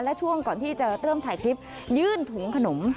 และช่วงก่อนที่จะเริ่มถ่ายคลิปยื่นถุงขนม